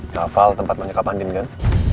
hafal tempat menyekap andin kan